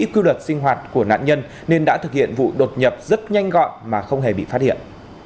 cư đợt sinh hoạt của nạn nhân nên đã thực hiện vụ đột nhập rất nhanh gọn mà không hề bị phát hiện